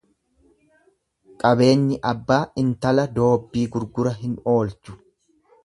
Qabeenyi abbaa intala doobbii gurgura hin oolchu.